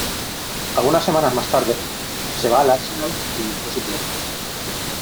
Algunas semanas más tarde, se va al Arsenal donde fue suplente.